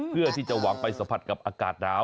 เพื่อที่จะหวังไปสัมผัสกับอากาศหนาว